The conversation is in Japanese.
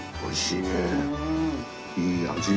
いい味。